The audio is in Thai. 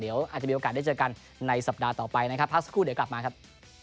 เดี๋ยวอาจจะมีโอกาสได้เจอกันในสัปดาห์ต่อไปนะครับพักสักครู่เดี๋ยวกลับมาครับ